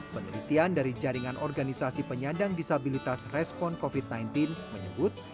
penelitian dari jaringan organisasi penyandang disabilitas respon covid sembilan belas menyebut